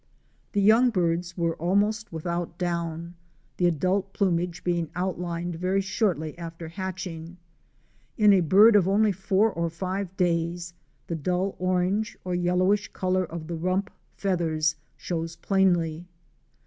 207 The young birds were almost without down, the adult plumage being outlined very shortly after hatching. In a bird of only four or five days the dull orange or yellowish color of the rump feathers shows plainly.